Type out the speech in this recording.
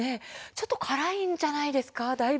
ちょっと辛いんじゃないですか。